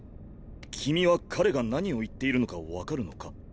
君は彼が何を言っているのか分かるのか？